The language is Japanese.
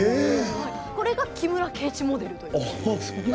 これが、木村敬一モデルという。